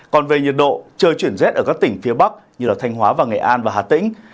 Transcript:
còn về nhiệt độ trời chuyển rét ở các tỉnh phía bắc như thanh hóa và nghệ an và hà tĩnh